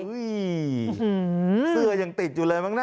เสื้อยังติดอยู่เลยมั้งนะ